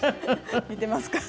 見てますか？